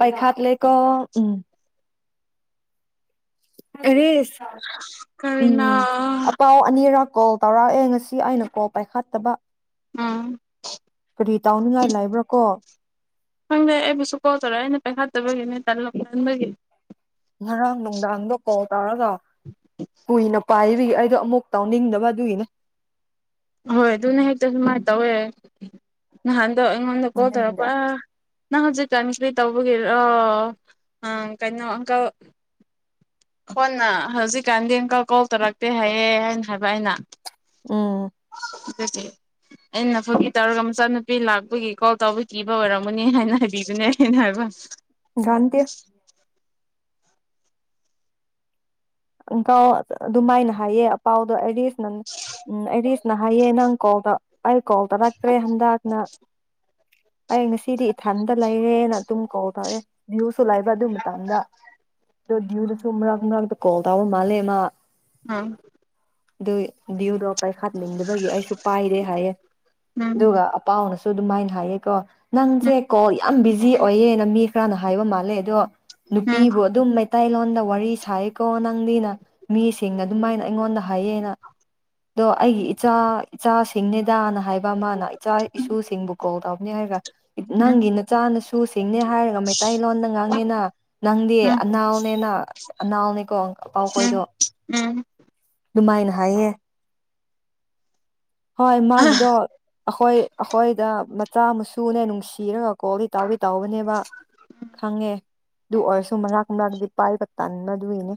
ꯄꯩꯈꯥꯠ ꯂꯩꯀꯣ ꯎꯝ ꯑꯦꯔꯤꯁ ꯀꯔꯤꯅ ꯎꯝ ꯑꯄꯥꯥꯎ ꯑꯅꯤꯔꯛ ꯀꯣꯜ ꯇꯧꯔꯛꯑꯦ ꯉꯁꯤ ꯑꯩꯅ ꯀꯣꯜ ꯄꯥꯏꯈꯠꯇꯕ ꯎꯝ ꯀꯔꯤ ꯇꯧꯅꯤꯡꯉꯥꯏ ꯂꯩꯕ꯭ꯔꯥ ꯀꯣ ꯈꯪꯗꯦ ꯑꯩꯕꯨꯁꯨ ꯀꯣꯜ ꯇꯧꯔꯛꯑꯦ ꯑꯩꯅ ꯄꯩꯈꯥꯠꯇꯕꯒꯤꯅꯦ ꯇꯜ ꯇꯟꯕꯒꯤ ꯉꯔꯥꯡ ꯅꯨꯡꯗꯥꯡꯗꯣ ꯀꯣꯜ ꯇꯥꯔꯒ ꯀꯨꯏꯅ ꯄꯥꯏꯕꯤ ꯑꯩꯗꯣ ꯑꯃꯨꯛ ꯇꯥꯎꯅꯤꯡꯗꯕ ꯑꯗꯨꯒꯤꯅꯦ ꯍꯣꯏ ꯑꯗꯨꯨꯅꯦ ꯍꯦꯛꯇ ꯑꯗꯨꯃꯥꯥꯏ ꯇꯧꯋꯦ ꯅꯍꯥꯟ ꯑꯗꯣ ꯑꯩꯉꯣꯟꯗ ꯀꯣꯜ ꯅꯤꯡꯗꯦ ꯇꯧꯔꯛꯄ ꯅꯪ ꯍꯧꯖꯤꯛ ꯇꯥꯏꯝ ꯁꯄꯦ ꯇꯧꯕꯒꯤꯔꯣ ꯀꯩꯅꯣ ꯑꯪꯀꯜ ꯈꯣꯟꯅ ꯍꯧꯖꯤꯛꯀꯥꯟꯗꯤ ꯑꯪꯀꯜ ꯀꯣꯜ ꯇꯧꯔꯛꯇꯦ ꯍꯥꯏꯌꯦ ꯍꯥꯏꯅ ꯍꯥꯏꯕ ꯑꯩꯅ ꯎꯝ ꯑꯗꯨꯗꯤ ꯑꯩꯅ ꯐꯥꯒꯤ ꯇꯧꯔꯒ ꯃꯆꯥꯅꯨꯄꯤ ꯂꯥꯛꯄꯒꯤ ꯀꯣꯜ ꯇꯧꯕ ꯑꯣꯏꯔꯝꯃꯅꯤ ꯍꯥꯏꯅ ꯍꯥꯏꯕꯤꯕꯅꯦ ꯑꯩꯅ ꯍꯥꯏꯕ ꯒꯥꯟꯇꯦ [unintelligible] ꯑꯗꯨꯃꯥꯏꯅ ꯍꯥꯏꯑꯦ ꯑꯄꯥꯎꯗ ꯑꯦꯔꯤꯁ ꯅꯡ ꯎꯝ ꯑꯦꯔꯤꯁꯅ ꯍꯥꯏꯌꯦ ꯅꯪ ꯀꯣꯜꯗ ꯑꯩ ꯀꯣꯜ ꯇꯧꯔꯛꯇ꯭ꯔꯦ ꯍꯟꯗꯛꯅ ꯑꯩ ꯉꯁꯤꯗꯤ ꯏꯊꯟꯗ ꯂꯩꯔꯦꯅ ꯑꯗꯨꯝ ꯀꯣꯜ ꯇꯧꯔꯦ ꯃꯨꯏꯁꯨ ꯂꯩꯕ ꯑꯗꯨ ꯃꯇꯝꯗ ꯑꯗꯣ ꯗꯨꯏꯗꯁꯨ ꯃꯔꯛ ꯃꯔꯛꯇ ꯀꯣꯜ ꯇꯧꯕ ꯃꯥꯂꯦꯃꯥ ꯑꯥ ꯑꯗꯨꯒꯤ ꯗꯨꯏꯗꯣ ꯄꯥꯏꯈꯥꯠꯅꯤꯡꯗꯕꯒꯤ ꯑꯩꯁꯨ ꯄꯥꯏꯗꯦ ꯍꯥꯏꯌꯦ ꯎꯝ ꯑꯗꯨꯒ ꯑꯄꯥꯎꯅꯁꯨ ꯑꯗꯨꯃꯥꯏꯅ ꯍꯥꯏꯌꯦꯀꯣ ꯅꯪꯁꯦ ꯎꯝ ꯀꯣꯜ ꯌꯥꯝ ꯕꯤꯖꯤ ꯑꯣꯏꯌꯦꯅ ꯃꯤ ꯈꯔꯅ ꯍꯥꯏꯕ ꯃꯥꯜꯂꯦ ꯑꯗꯣ ꯎꯝ ꯅꯨꯄꯤꯕꯨ ꯑꯗꯨꯝ ꯃꯩꯇꯩꯂꯣꯟꯗ ꯋꯥꯔꯤ ꯁꯥꯏꯀꯣ ꯅꯪꯗꯤꯅ ꯃꯤꯁꯤꯡꯅ ꯑꯗꯨꯃꯥꯏꯅ ꯑꯩꯉꯣꯟꯗ ꯍꯥꯏꯌꯦꯅ ꯑꯗꯣ ꯑꯩꯒꯤ ꯏꯆꯥ ꯏꯆꯥꯁꯤꯡꯅꯤꯗꯥꯅ ꯍꯥꯏꯕ ꯃꯥꯅ ꯏꯆꯥ ꯏꯁꯨꯁꯤꯡꯕꯨ ꯀꯣꯜ ꯇꯧꯕꯅꯤ ꯍꯥꯏꯔꯒ ꯎꯝ ꯅꯪꯒꯤ ꯅꯆꯥꯅꯁꯨꯁꯤꯡꯅꯦ ꯍꯥꯏꯔꯒ ꯃꯩ ꯃꯩꯇꯩ ꯂꯣꯟꯗ ꯉꯥꯡꯉꯤꯅ ꯅꯪꯗꯤ ꯎꯝ ꯑꯅꯥꯎꯅꯦꯅ ꯑꯅꯥꯎꯅꯦ ꯀꯣ ꯎꯝ ꯀꯥꯎꯕꯣꯏꯗꯣ ꯎꯝ ꯑꯗꯨꯃꯥꯏꯅ ꯍꯥꯏꯌꯦ ꯍꯣꯏ ꯍꯥ ꯃꯥꯒꯤꯗꯣ ꯑꯩꯈꯣꯏ ꯑꯩꯈꯣꯏꯗ ꯃꯆꯥ ꯃꯁꯨꯅꯦ ꯅꯨꯡꯁꯤꯔꯒ ꯀꯣꯜꯗꯤ ꯇꯧꯎꯗꯤ ꯇꯧꯎꯕꯅꯦꯕ ꯈꯪꯉꯦ ꯑꯗꯨ ꯑꯣꯏꯔꯁꯨ ꯃꯅꯥꯛ ꯅꯛꯑꯗꯤ ꯄꯥꯏꯕ ꯇꯟꯕ ꯑꯗꯨꯏꯅꯦ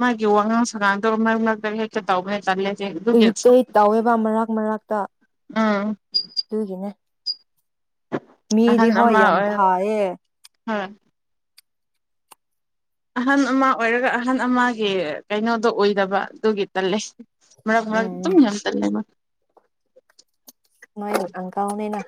ꯃꯥꯒꯤ ꯋꯥꯉꯥꯡ ꯁꯉꯥꯡꯗꯣ ꯃꯔꯛ ꯃꯔꯛꯇ ꯍꯦꯛꯇ ꯇꯧꯕꯅꯦ ꯇꯂꯦ ꯏꯔꯤꯇꯦꯇ ꯇꯧꯎꯋꯦꯕ ꯃꯔꯛ ꯃꯔꯛꯇ ꯎꯝ ꯑꯗꯨꯒꯤꯅꯦ ꯃꯤꯗꯤ ꯍꯣꯏ ꯌꯝꯐꯥꯌꯦ ꯑꯥ ꯑꯍꯟ ꯑꯃ ꯑꯣꯏꯔꯒ ꯑꯍꯟ ꯑꯃꯒꯤ ꯀꯩꯅꯣꯗꯣ ꯑꯣꯏꯗꯕ ꯑꯗꯨꯒꯤ ꯇꯜꯂꯦ ꯃꯔꯛ ꯃꯔꯛ ꯎꯝ ꯗꯨꯝ ꯌꯥꯝ ꯇꯂꯦꯕ ꯅꯣꯏ ꯑꯪꯀꯜꯅꯤꯅ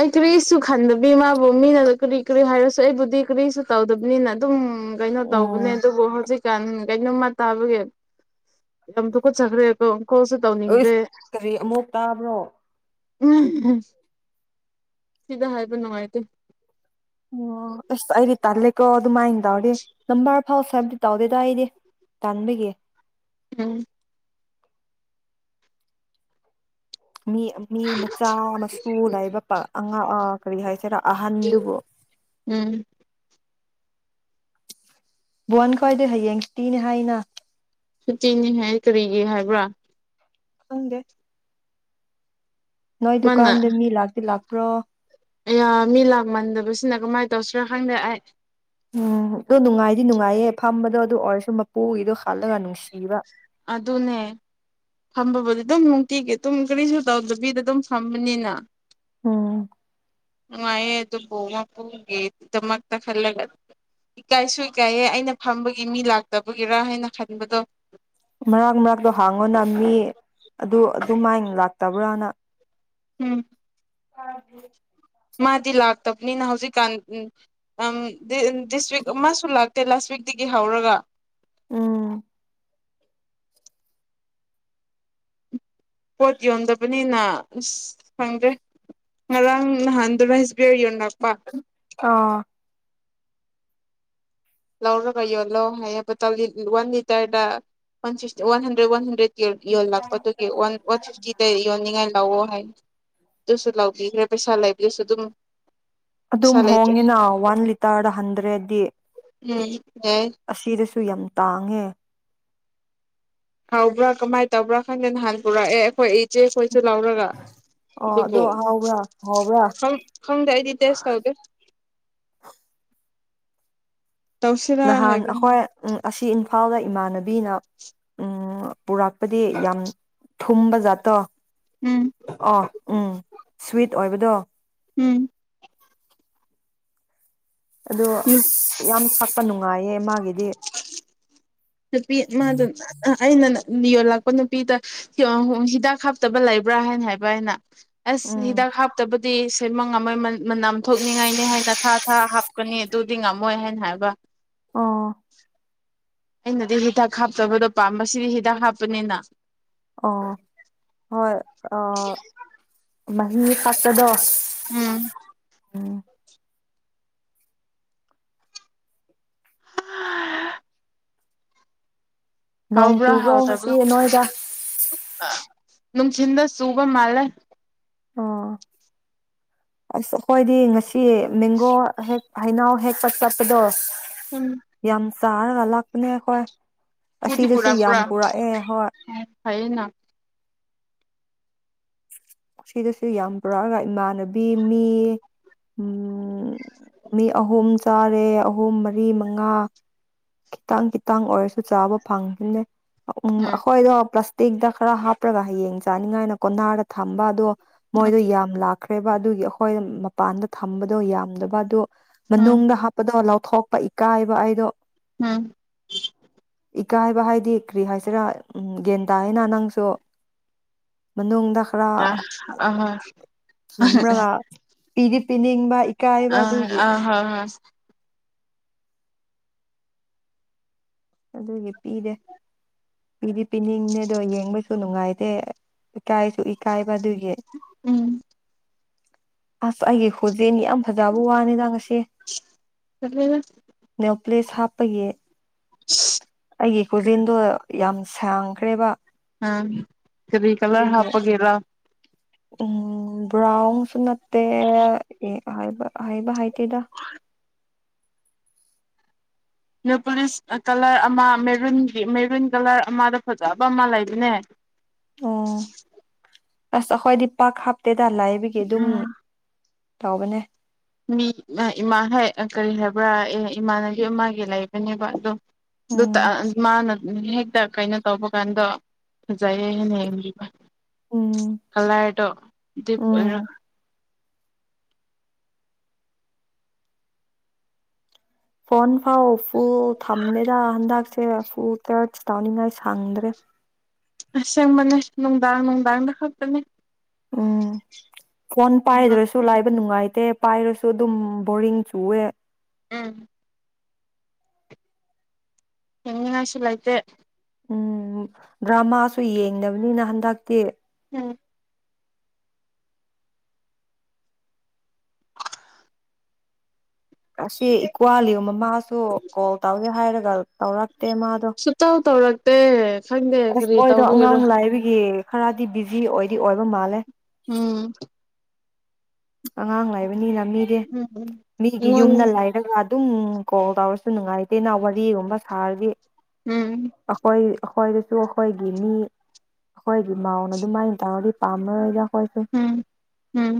ꯑꯩ ꯀꯔꯤꯁꯨ ꯈꯟꯗꯕꯤ ꯃꯥꯕꯨ ꯃꯤꯅꯁꯨ ꯀꯔꯤ ꯀꯔꯤ ꯍꯥꯏꯔꯁꯨ ꯑꯩꯕꯨꯗꯤ ꯀꯔꯤꯁꯨ ꯇꯧꯗꯕꯅꯤꯅ ꯑꯗꯨꯝ ꯎ ꯀꯩꯅꯣ ꯇꯧꯕꯅꯦ ꯎꯝ ꯑꯗꯨꯕꯨ ꯍꯧꯖꯤꯛ ꯀꯥꯟ ꯀꯩꯅꯣꯝꯃ ꯇꯥꯕꯒꯤ ꯌꯥꯝ ꯊꯨꯀꯠꯆꯈ꯭ꯔꯦꯀꯣ ꯀꯣꯜꯁꯨ ꯇꯧꯅꯤꯡꯗꯦ ꯑꯁ ꯀꯔꯤ ꯑꯃꯨꯛ ꯇꯥꯕ꯭ꯔꯣ ꯎ ꯁꯤꯗ ꯍꯥꯏꯕ ꯅꯨꯡꯉꯥꯏꯇꯦ ꯑꯣ ꯑꯁ ꯑꯩꯗꯤ ꯇꯜꯂꯦꯀꯣ ꯑꯗꯨ ꯃꯥꯥꯏꯅ ꯇꯧꯔꯗꯤ ꯅꯝꯕꯔ ꯐꯥꯎ ꯁꯦꯕꯗꯤ ꯇꯥꯎꯗꯦꯗ ꯑꯩꯗꯤ ꯇꯥꯟꯕꯒꯤ ꯎꯝ ꯃꯤ ꯃꯤ ꯃꯆꯥ ꯃꯁꯨ ꯂꯥꯏꯕꯥꯄ ꯑꯉꯥꯡ ꯑ ꯀ꯭ꯔꯤ ꯍꯥꯏꯁꯤꯔꯥ ꯑꯍꯟꯗꯨꯕꯨ ꯎꯝ ꯌꯥꯟ ꯈꯣꯏꯗꯤ ꯍꯌꯦꯡꯄꯤꯅꯤ ꯍꯥꯏꯅ ꯁꯨꯇꯤꯅꯤ ꯍꯥꯏ ꯀ꯭ꯔꯤꯒꯤ ꯍꯥꯏꯕ꯭ꯔꯥ ꯈꯪꯗꯦ ꯅꯣꯏ ꯃꯥꯅ ꯗꯨꯀꯥꯟꯗ ꯃꯤ ꯂꯥꯛꯇꯤ ꯂꯥꯛꯄ꯭ꯔꯣ ꯑꯌꯥ ꯃꯤ ꯂꯥꯛꯃꯟꯗꯕꯁꯤꯅ ꯀꯃꯥꯏꯅ ꯇꯧꯁꯤꯔꯥ ꯈꯪꯗꯦ ꯑꯩ ꯎꯝ ꯑꯗꯣ ꯅꯨꯡꯉꯥꯏꯗꯤ ꯅꯨꯡꯉꯥꯏꯌꯦ ꯐꯝꯕꯗꯣ ꯑꯗꯨ ꯑꯣꯏꯔꯁꯨ ꯃꯄꯨꯒꯤꯗꯣ ꯍꯜꯂꯒ ꯅꯨꯡꯁꯤꯕ ꯑꯗꯨꯅꯦ ꯐꯝꯕꯕꯨꯗꯤ ꯑꯗꯨꯝ ꯅꯨꯡꯇꯤꯒꯤ ꯑꯗꯨꯝ ꯀ꯭ꯔꯤꯁꯨ ꯇꯧꯗꯕꯤꯗ ꯑꯗꯨꯝ ꯐꯝꯕꯅꯤꯅ ꯑꯣ ꯅꯨꯡꯉꯥꯏꯌꯦ ꯑꯗꯨꯕꯨ ꯃꯄꯨꯒꯤ ꯗꯃꯛꯇ ꯈꯜꯂꯒ ꯏꯀꯥꯏꯁꯨ ꯏꯀꯥꯏꯌꯦ ꯑꯩꯅ ꯐꯝꯕꯒꯤ ꯃꯤ ꯂꯥꯛꯇꯕꯒꯤꯔꯥ ꯍꯥꯏꯅ ꯈꯟꯕꯗꯣ ꯃꯔꯛ ꯃꯔꯛꯇ ꯍꯥꯡꯉꯣꯅ ꯃꯤ ꯑꯗꯨ ꯑꯗꯨꯃꯥꯏ ꯂꯥꯛꯇꯕ꯭ꯔꯥꯅ ꯎꯝ [unintelligible] ꯃꯥꯗꯤ ꯂꯥꯛꯇꯕꯅꯤꯅ ꯍꯧꯖꯤꯛꯀꯥꯟ ꯎꯝ ꯑꯥꯝ ꯗꯤ ꯑꯝ ꯗꯤꯁꯇ꯭ꯔꯤꯛ ꯑꯃꯥꯁꯨ ꯂꯥꯛ ꯇꯦꯂꯥꯁ ꯋꯤꯛꯇꯒꯤ ꯍꯧꯔꯒ ꯎꯝ ꯄꯣꯠ ꯌꯣꯟꯗꯕꯅꯤꯅ ꯑꯁ ꯈꯪꯗ꯭ꯔꯦ ꯉꯔꯥꯡ ꯅꯍꯥꯟꯗꯨꯔꯥꯏ ꯒ꯭ꯔꯦ ꯌꯣꯟꯅꯛꯄꯥ ꯑꯥ ꯂꯧꯔꯒ ꯌꯣꯜꯂꯣ ꯍꯥꯏꯌꯦꯕ [unintelligible] ꯋꯥꯟ ꯂꯤꯇꯔꯗ ꯋꯥꯁꯤꯁ ꯋꯥꯟ ꯍꯟꯗ꯭ꯔꯦꯠ ꯋꯥꯟ ꯍꯟꯗ꯭ꯔꯦꯠ ꯌꯣꯟ ꯌꯣꯜꯂꯛꯄꯗꯨꯒꯤ ꯋꯥꯟ ꯋꯥꯟ ꯐꯤꯐꯇꯤꯗ ꯌꯣꯟꯅꯤꯡꯉꯥꯏ ꯂꯧꯑꯣ ꯍꯥꯏꯅ ꯑꯗꯨꯨꯁꯨ ꯂꯥꯎꯕꯤꯈ꯭ꯔꯦ ꯄꯩꯁꯥ ꯂꯩꯥꯏꯕꯤꯗꯨꯁꯨ ꯑꯗꯨꯝ ꯑꯗꯨꯝ ꯄꯩꯁꯥ ꯂꯩꯇ꯭ꯔꯦ ꯍꯣꯡꯉꯤꯅ ꯋꯥꯟ ꯂꯤꯇꯔꯗ ꯍꯟꯗ꯭ꯔꯦꯗꯤ ꯎꯝ ꯌꯥꯏ [unintelligible] ꯌꯥꯝ ꯇꯥꯡꯉꯦ ꯍꯧꯕ꯭ꯔꯥ ꯀꯃꯥꯏꯅ ꯇꯧꯕ꯭ꯔꯥ ꯈꯪꯗꯦ ꯅꯍꯥꯟ ꯄꯨꯔꯛꯑꯦ ꯑꯩꯈꯣꯏ ꯏꯆꯦꯈꯣꯏꯁꯨ ꯂꯧꯔꯒ ꯑꯣ ꯏꯗꯨꯕꯣ ꯑꯗꯣ ꯍꯥꯎꯕ꯭ꯔꯥ ꯍꯥꯎꯕ꯭ꯔꯥ ꯈꯪ ꯈꯪꯗꯦ ꯑꯩꯗꯤ ꯇꯦꯁ ꯇꯥꯎꯗꯦ ꯇꯧꯁꯤꯔꯥ ꯅꯍꯥꯟ ꯍꯥꯏꯕꯅꯤ ꯑꯈꯣꯏ ꯑꯁꯤ ꯏꯝꯐꯥꯜꯗ ꯏꯃꯥꯟꯅꯕꯤꯅ ꯎꯝ ꯄꯨꯔꯥꯛꯄꯗꯤ ꯌꯥꯝ ꯊꯨꯝꯕ ꯖꯥꯠꯇꯣ ꯎꯝ ꯑꯣ ꯎꯝ ꯁ꯭ꯋꯤꯠ ꯑꯣꯏꯕꯗꯣ ꯎꯝ ꯑꯗꯣ ꯌꯥꯝ [unintelligible] ꯃꯥꯒꯤꯗꯤ ꯅꯨꯄꯤ [unintelligible] ꯑꯩꯅꯅ ꯌꯣꯜꯂꯛꯄ ꯅꯨꯄꯤꯗ [unintelligible] ꯍꯤꯗꯥꯛ ꯍꯥꯞꯇꯕ ꯂꯩꯕ꯭ꯔꯥ ꯍꯥꯏꯅ ꯍꯥꯏꯕ ꯑꯩꯅ ꯑꯁ ꯎꯝ ꯍꯤꯗꯥꯛ ꯍꯥꯞꯇꯕ ꯗꯤ ꯁꯦꯝꯕ ꯉꯝꯃꯣꯏ ꯃꯅ ꯃꯅꯝ ꯊꯣꯛꯅꯤꯡꯉꯥꯏꯅꯤ ꯍꯥꯏꯅ ꯊꯥ ꯊꯥ ꯍꯥꯞꯀꯅꯤ ꯑꯗꯨꯗꯤ ꯉꯝꯃꯣꯏ ꯍꯥꯏꯅ ꯍꯥꯏꯕ ꯑꯣ ꯑꯩꯅꯗꯤ ꯍꯤꯗꯥꯛ ꯍꯥꯞꯇꯕꯗꯣ ꯄꯥꯝꯕ ꯁꯤꯗꯤ ꯍꯤꯗꯥꯛ ꯍꯥꯞꯄꯅꯤꯅ ꯑꯣ ꯍꯣꯏ ꯑꯥ ꯃꯍꯤ [unintelligible] ꯗ ꯎꯝ ꯎꯝ ꯅꯣꯡ ꯍꯥꯎꯕ꯭ꯔꯥ ꯆꯨꯕ꯭ꯔꯣ ꯉꯁꯤ ꯍꯥꯎꯇꯕ꯭ꯔꯣ ꯅꯣꯏꯗ ꯅꯨꯡꯊꯤꯟꯗ ꯆꯨꯕ ꯃꯥꯜꯂꯦ ꯑꯣ ꯑꯁ ꯑꯈꯣꯏꯗꯤ ꯉꯁꯤ ꯃꯦꯡꯒꯣ ꯍꯦꯛ ꯍꯩꯩꯅꯧ ꯍꯦꯛꯄ ꯆꯠꯄꯗꯣ ꯎꯝ ꯌꯥꯝ ꯆꯥꯔꯒ ꯂꯥꯛꯄꯅꯦ ꯑꯈꯣꯏ ꯄꯨꯗꯤ ꯑꯁꯤꯗꯁꯨ ꯌꯥꯝ ꯄꯨꯔꯛꯄ꯭ꯔꯥ ꯄꯨꯔꯛꯑꯦ ꯍꯣꯏ ꯐꯩꯌꯦꯅ ꯁꯤꯗꯁꯨ ꯌꯥꯝ ꯄꯨꯔꯛꯑꯒ ꯏꯃꯥꯟꯅꯕꯤ ꯃꯤ ꯎꯝ ꯃꯤ ꯑꯍꯨꯝ ꯆꯥꯔꯦ ꯑꯍꯨꯝ ꯃꯔꯤ ꯃꯉꯥ ꯈꯤꯇꯪ ꯈꯤꯇꯪ ꯑꯣꯏꯔꯁ ꯆꯥꯕ ꯐꯪꯈꯤꯝꯅꯦ ꯎꯝ ꯑꯩꯈꯣꯏꯗꯣ ꯄ꯭ꯂꯥꯁꯇꯤꯛꯇ ꯈꯔ ꯍꯥꯞꯄꯒ ꯍꯌꯦꯡ ꯆꯥꯅꯤꯡꯉꯥꯏꯅ ꯀꯣꯟꯅꯥꯔꯗ ꯊꯝꯕ ꯑꯗꯣ ꯃꯣꯏꯗꯣ ꯌꯥꯝ ꯂꯛ ꯈ꯭ꯔꯦꯕ ꯑꯗꯨꯒꯤ ꯑꯩꯈꯣꯏ ꯃꯄꯥꯟꯗ ꯊꯝꯕꯗꯣ ꯌꯥꯝꯗꯕ ꯑꯗꯨ ꯎꯝ ꯃꯅꯨꯡꯗ ꯍꯥꯞꯄꯗꯣ ꯊꯣꯛꯄ ꯏꯀꯥꯏꯕ ꯑꯩꯗꯣ ꯎꯝ ꯏꯀꯥꯏꯕ ꯍꯥꯏꯗꯤ ꯀꯔꯤ ꯍꯥꯏꯁꯤꯔꯥ ꯎꯝ ꯒ꯭ꯌꯥꯟ ꯇꯥꯏꯅ ꯅꯪꯁꯨ ꯃꯅꯨꯡꯗ ꯈꯔ ꯑ ꯑꯍꯣꯏ ꯆꯨꯝꯔꯒ ꯄꯤꯗꯤ ꯄꯤꯅꯤꯡꯕ ꯏꯀꯥꯏꯕ ꯑꯥ ꯑꯗꯨꯒꯤ ꯑꯥ ꯍꯣ ꯍꯣꯏ ꯑꯗꯨꯒꯤ ꯄꯤꯔꯦ ꯄꯤꯗꯤ ꯄꯤꯅꯤꯡꯅꯦ ꯑꯗꯣ ꯌꯦꯡꯕꯁꯨ ꯅꯨꯡꯉꯥꯏ ꯑꯦ ꯀꯥꯏꯁꯨ ꯏꯀꯥꯏꯕꯗꯨꯏ ꯎꯝ ꯑꯁ ꯑꯩꯒꯤ ꯈꯣꯖꯤꯟ ꯌꯥꯝ ꯐꯖꯕ ꯋꯥꯅꯤꯗ ꯉꯁꯤ [unintelligible] ꯂꯤꯁ ꯍꯥꯞꯄꯒꯤ ꯑꯩꯒꯤ ꯈꯨꯖꯤꯟꯗꯣ ꯌꯥꯝ ꯁꯥꯡꯈ꯭ꯔꯦꯕ ꯑ ꯀꯔꯤ ꯀꯂꯔ ꯑꯗꯨꯒꯤ ꯍꯥꯞꯄꯒꯤꯔꯥ ꯎꯝ ꯕ꯭ꯔꯥꯎꯟꯁꯨ ꯅꯠꯇꯦ ꯑꯦ ꯍꯥꯏꯕ ꯍꯥꯏꯕ ꯍꯩ ꯇꯦꯗ ꯅꯦꯟꯄꯨꯂꯤꯁ ꯀꯂꯔ ꯑꯃ ꯃꯦꯔꯨꯟꯒꯤ ꯃꯦꯔꯨꯟ ꯀꯂꯔ ꯑꯃꯗ ꯐꯖꯕ ꯑꯃ ꯂꯩꯕꯅꯦ ꯑꯣ ꯑꯁ ꯑꯩꯈꯣꯏꯗꯤ ꯄꯥꯛ ꯍꯥꯞꯇꯦꯗ ꯂꯥꯏꯕꯒꯤ ꯑꯗꯨꯝ ꯇꯧꯕꯅꯦ ꯎꯝ ꯏꯃꯥ ꯏꯃꯥ ꯍꯣꯏ ꯀꯔꯤ ꯍꯥꯏꯕ꯭ꯔꯥ ꯑ ꯏꯃꯥꯅꯕꯤ ꯃꯥꯒꯤ ꯂꯩꯕꯅꯦꯕ ꯑꯗꯣ ꯗꯨꯇ ꯑ ꯎꯝ ꯃꯥꯅ ꯍꯦꯛꯇ ꯀꯩꯅꯣ ꯇꯧꯕ ꯀꯥꯟꯗꯣ ꯐꯖꯩꯌꯦ ꯍꯥꯏꯅ ꯌꯦꯡꯕꯤꯕ ꯎꯝ ꯀꯂꯥꯔꯗꯣ ꯗꯤꯞ ꯎꯝ ꯑꯣꯏꯔꯒ ꯐꯣꯟ ꯐꯥꯎ ꯐꯨꯜ ꯊꯝꯗꯦꯗ ꯍꯟꯗꯛꯁꯦ ꯐꯨ ꯇꯁꯠ ꯇꯥꯎꯅꯤꯡꯉꯥꯏ ꯁꯥꯡꯗ꯭ꯔꯦ ꯑꯁꯦꯡꯕꯅꯦ ꯅꯨꯡꯗꯥꯡ ꯅꯨꯡꯗꯥꯡꯗ ꯈꯛꯇꯅꯦ ꯎꯝ ꯐꯣꯟ ꯄꯥꯏꯗ꯭ꯔꯁꯨ ꯂꯥꯏꯕ ꯅꯨꯡꯉꯥꯏ ꯇꯦ ꯄꯥꯏꯔꯁꯨ ꯑꯗꯨꯝ ꯕꯣꯔꯤꯡ ꯆꯨꯑꯦ ꯎꯝ ꯌꯦꯡꯅꯤꯉꯥꯏꯁꯨꯂꯥꯏꯇꯦ ꯎꯝ ꯗ꯭ꯔꯃꯥꯁꯨ ꯌꯦꯡꯗꯕꯅꯤꯅ ꯍꯟꯗꯛꯇꯤ ꯎꯝ ꯑꯁꯤ ꯏꯀ꯭ꯋꯥꯂꯤ ꯃꯃꯥꯁꯨ ꯀꯣꯜ ꯇꯧꯒꯦ ꯍꯥꯏꯔꯒ ꯇꯧꯔꯛ ꯁꯨꯛꯇꯧ ꯇꯧꯔꯛꯇꯦ ꯈꯪꯗꯦ ꯑꯁ ꯀꯔꯤ ꯃꯣꯏꯗꯣ ꯑꯉꯥꯡ ꯇꯧꯕꯒꯤꯔ ꯂꯥꯏꯕꯒꯤ ꯈꯔꯗꯤ ꯕꯤꯖꯤ ꯑꯣꯏꯗꯤ ꯑꯣꯏꯕ ꯃꯥꯜꯂꯦ ꯎꯝ ꯑꯉꯥꯡ ꯂꯩꯕꯅꯤꯅ ꯃꯤꯗꯤ ꯎꯝ ꯎꯝ ꯃꯤꯒꯤ ꯑꯩꯉꯣꯟ ꯌꯨꯝꯗ ꯂꯥꯏꯔꯒ ꯑꯗꯨꯝ ꯀꯣꯜ ꯇꯧꯔꯁꯨ ꯅꯨꯡꯉꯥꯏꯇꯦꯅ ꯋꯥꯔꯤꯒꯨꯝꯕ ꯁꯥꯔꯗꯤ ꯎꯝ ꯑꯩꯈꯣꯏ ꯑꯩꯈꯣꯏꯗꯁꯨ ꯑꯩꯈꯣꯏꯒꯤ ꯃꯤ ꯑꯩꯈꯣꯏꯒꯤ ꯃꯥꯎꯅ ꯑꯗꯨꯃꯥꯏꯅ ꯇꯧꯔꯗꯤ ꯄꯥꯝꯃꯔꯣꯏꯗ ꯍꯣꯏꯁꯦ ꯎꯝ ꯎꯝ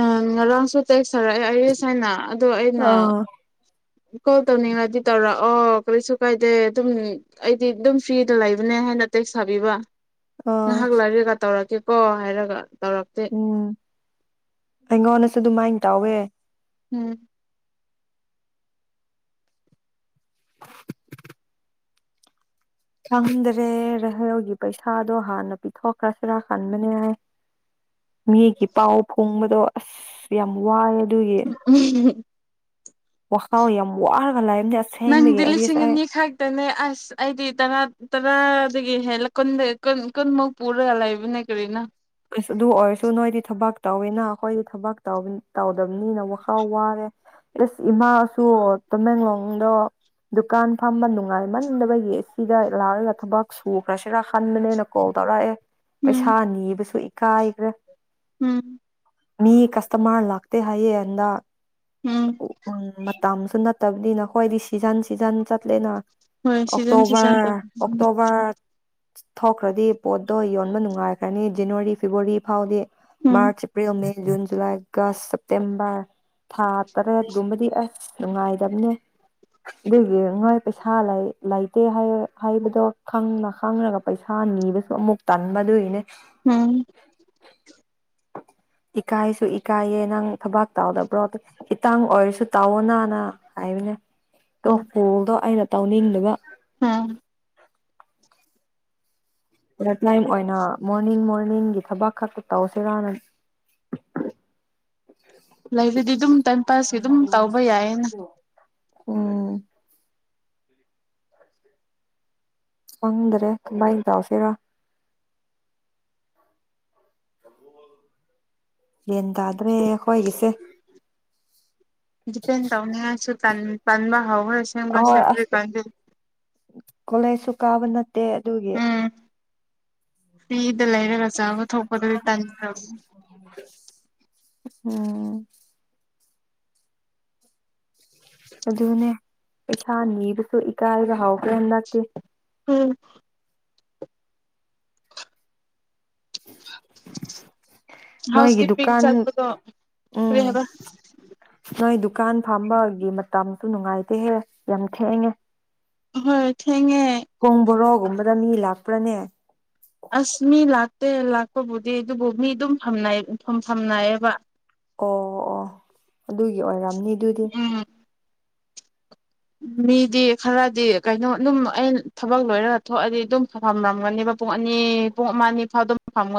ꯑ ꯉꯔꯥꯡꯁꯨ ꯇꯦꯛꯁ ꯊꯔꯛꯑꯦ ꯑꯥꯏꯔꯤꯁ ꯍꯥꯏꯅ ꯑꯗꯣ ꯑꯩꯅ ꯑꯥ ꯀꯣꯜ ꯇꯧꯅꯤꯡꯉꯗꯤ ꯇꯧꯔꯛꯑꯣ ꯀꯔꯤꯁꯨ ꯀꯥꯏꯗꯦ ꯑꯗꯨꯝ ꯑꯩꯗꯤ ꯑꯗꯨꯝ ꯐ꯭ꯔꯤꯗ ꯂꯩꯕꯅꯦ ꯍꯥꯏ ꯍꯥꯏꯅꯥ ꯇꯦꯛꯁ ꯊꯥꯕꯤꯕ ꯑꯥ ꯉꯍꯥꯛ ꯂꯩꯔꯒ ꯇꯧꯔꯛꯀꯦꯀꯣ ꯍꯥꯏꯔꯒ ꯇꯧꯔꯛꯇꯦ ꯎꯝ ꯑꯩꯉꯣꯟꯗꯁꯨ ꯑꯗꯨꯃꯥꯏ ꯇꯧꯋꯦ ꯎꯝ ꯈꯪꯗ꯭ꯔꯦ [unintelligible] ꯒꯤ ꯄꯩꯁꯥꯗꯣ ꯍꯥꯟꯅ ꯄꯤꯊꯣꯛꯈ꯭ꯔꯁꯤꯔ ꯈꯟꯕꯅꯦ ꯃꯤꯒꯤ ꯄꯥꯎ ꯐꯣꯡꯕꯗꯣ ꯑꯁ ꯌꯥꯝ ꯋꯥꯏꯑꯦ [unintelligible] ꯋꯥꯈꯜ ꯌꯥꯝ ꯋꯥꯔꯒ ꯂꯩꯌ ꯅꯪꯗꯤ ꯂꯤꯁꯤꯡ ꯑꯅꯤ ꯈꯛꯇꯅꯦ ꯑꯁ ꯑꯩꯗꯤ ꯇꯔꯥ ꯇꯔꯥ ꯗꯒꯤ ꯍꯦꯜꯂ ꯀꯨꯟꯗ ꯀꯨꯟ ꯀꯨꯟꯃꯛ ꯄꯨꯔꯒ ꯂꯩꯕꯅꯦ ꯀꯔꯤꯅꯣ ꯑꯁ ꯑꯗꯨ ꯑꯣꯏꯔꯁꯨ ꯅꯣꯏꯗꯤ ꯊꯕꯛ ꯇꯧꯋꯦꯅ ꯑꯩꯈꯣꯏꯗꯤ ꯊꯕꯛ ꯇꯧꯕ ꯇꯧꯗꯕꯅꯤꯅ ꯋꯥꯈꯜ ꯋꯥꯔꯦ ꯏꯁ ꯏꯃꯥꯁꯨ ꯇꯃꯦꯡꯂꯣꯡꯗ ꯗꯨꯀꯥꯟ ꯐꯝꯕ ꯅꯨꯡꯉꯥꯏꯃꯟꯗꯕꯒꯤ ꯁꯤꯗ ꯂꯥꯛꯑꯒ ꯊꯕꯛ ꯁꯨꯈ꯭ꯔꯁꯤꯔ ꯈꯟꯕꯅꯦꯅꯀꯣ ꯇꯧꯔꯛꯑꯦ ꯎꯝ ꯄꯩꯁꯥ ꯅꯤꯕꯁꯨ ꯏꯀꯥꯏꯒ꯭ꯔꯦ ꯎꯝ ꯃꯤ ꯀꯁꯇꯃꯥꯔ ꯂꯥꯛꯇꯦ ꯍꯥꯏꯌꯦ ꯍꯟꯗꯛ ꯑ ꯎꯝ ꯎꯝ ꯃꯇꯝꯁꯨ ꯅꯠ ꯇꯕꯅꯤꯅ ꯑꯩꯈꯣꯏꯗꯤ ꯁꯤ ꯁꯤꯖꯟ ꯁꯤꯖꯟ ꯆꯠꯂꯦꯅ ꯍꯣꯏ ꯁꯤꯖꯟ ꯑꯣꯛꯇꯣꯕꯥ ꯁꯤꯖꯟ ꯎꯝ ꯑꯣꯛꯇꯣꯕꯥ ꯊꯣꯛꯈ꯭ꯔꯗꯤ ꯄꯣꯠꯇꯣ ꯌꯣꯟꯕ ꯅꯨꯡꯉꯥꯏꯒ꯭ꯔꯅꯤ ꯖꯟꯅꯋꯥꯔꯤ ꯐꯦꯕꯋꯥꯔꯤ ꯐꯥꯎꯗꯤ ꯎꯝ ꯃꯥꯔꯆ ꯑꯦꯄ꯭ꯔꯤꯜ ꯃꯦ ꯖꯨꯟ ꯖꯨꯂꯥꯏꯒ ꯁꯦꯞꯇꯦꯝꯕꯔ ꯊꯥ ꯇꯔꯦꯠꯒꯨꯝꯕꯗꯤ ꯑꯁ ꯅꯨꯡꯉꯥꯏꯇꯕꯅꯦ ꯑꯗꯨꯒꯤ ꯉꯩ ꯄꯩꯁꯥ ꯂꯩ ꯂꯩꯇꯦ ꯍꯥꯏꯕ ꯍꯥꯏꯕꯗꯣ ꯈꯪꯅ ꯈꯪꯉꯒ ꯄꯩꯁꯥ ꯄꯩꯁꯥ ꯅꯤꯕꯁꯨ ꯑꯃꯨꯛ ꯇꯟꯕ ꯑꯗꯨꯒꯤꯅꯦ ꯎꯝ ꯏꯀꯥꯏꯁꯨ ꯏꯀꯥꯏꯌꯦ ꯅꯪ ꯊꯕꯥꯛ ꯇꯧꯔꯕ꯭ꯔꯣ ꯏꯇꯥꯡ ꯑꯣꯏꯔꯁꯨ ꯇꯥꯑꯣ ꯅꯥꯅ ꯍꯥꯏꯕꯅꯦ ꯑꯗꯣ ꯀꯣꯜꯗꯣ ꯑꯩꯅ ꯇꯧꯅꯤꯡꯗꯕ ꯍꯝ ꯄꯨꯂꯝꯇꯥꯏꯝ ꯑꯣꯏꯅ ꯃꯣꯔꯅꯤꯡ ꯃꯣꯔꯅꯤꯡꯒꯤ ꯊꯕꯛ ꯈꯛꯇ ꯇꯧꯁꯤꯔꯥꯅ [inaudible] ꯂꯩꯕꯗꯤ ꯑꯗꯨꯝ ꯇꯥꯏꯝ ꯄꯥꯁꯀꯤ ꯑꯗꯨꯝ ꯇꯧꯕ ꯌꯥꯏꯌꯦꯅ ꯎꯝ ꯈꯪꯗ꯭ꯔꯦ ꯀꯃꯥꯏꯅ ꯇꯧꯁꯤꯔꯥ ꯒ꯭ꯌꯥꯟ ꯇꯥꯗ꯭ꯔꯦ ꯑꯈꯣꯏꯒꯤꯁꯦ ꯗꯤꯄꯦꯟ ꯇꯧꯅꯤꯡꯉꯥꯏꯁꯨ ꯇꯟ ꯇꯟꯕ ꯍꯧꯈ꯭ꯔꯦ ꯑꯁꯦꯡꯕ ꯑꯍꯣꯏ ꯑꯁ [unintelligible] ꯀꯣꯂꯦꯖꯁꯨ ꯀꯥꯕ ꯅꯠꯇꯦ ꯑꯗꯨꯒꯤ ꯎꯝ ꯐ꯭ꯔꯤꯗ ꯂꯩꯔꯒ ꯆꯥꯕ ꯊꯣꯛꯄꯗꯨꯗꯤ ꯇꯟꯈ꯭ꯔꯕꯅꯤ ꯎꯝ ꯑꯗꯨꯅꯦ ꯄꯩꯁꯥꯅꯤꯕꯁꯨ ꯏꯀꯥꯏꯕ ꯍꯧꯈ꯭ꯔꯦ ꯅꯠꯇꯦ ꯎꯝ [inaudible] ꯍꯥꯎꯁ ꯅꯣꯏꯒꯤ ꯀꯤꯞꯄꯤꯡ ꯗꯨꯀꯥꯟ ꯆꯠꯄꯗꯣ ꯀꯔꯤ ꯎꯝ ꯍꯥꯏꯕ ꯅꯣꯏ ꯗꯨ ꯀꯥꯟ ꯐꯥꯝꯕꯒꯤ ꯃꯇꯝꯁꯨ ꯅꯨꯡꯉꯥꯏꯇꯦꯍꯦ ꯌꯥꯝ ꯊꯦꯡꯉꯦ ꯍꯣꯏ ꯊꯦꯡ ꯀꯣꯡ ꯕꯣꯔꯣꯒꯨꯝꯕꯗ ꯃꯤ ꯂꯥꯛꯄ꯭ꯔꯥꯅꯦ ꯑꯁ ꯃꯤ ꯂꯥꯛꯇꯦ ꯂꯥꯛꯄꯕꯨꯗꯤ ꯑꯗꯨꯕꯨ ꯃꯤ ꯑꯗꯨꯝ ꯐꯝꯅꯩꯌ ꯐꯝꯐꯝꯅꯩꯌꯦꯕ ꯑꯣ ꯑꯣ ꯑꯗꯨꯒꯤ ꯑꯣꯏꯔꯝꯅꯤ ꯑꯗꯨꯗꯤ ꯎꯝ ꯃꯤꯗꯤ ꯈꯔꯗꯤ ꯀꯩꯅꯣ ꯑꯗꯨꯝ ꯑꯩ ꯊꯕꯛ ꯂꯣꯏꯔꯒ ꯊꯣꯛꯑꯗꯤ ꯑꯗꯨꯝ ꯐꯝꯔꯝꯒꯅꯦꯕ ꯄꯨꯡ ꯑꯅꯤ ꯄꯨꯡ ꯑꯃ ꯑꯅꯤ ꯐꯥꯎꯗꯨꯝ ꯐꯝꯒꯅꯤ